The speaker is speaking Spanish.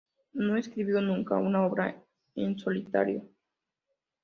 No escribió nunca una obra en solitario.